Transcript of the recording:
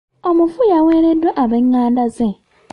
Omufu yaweereddwa ab'enganda ze.